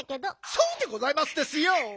そうでございますですよ！